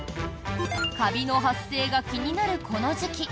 カビの発生が気になるこの時期。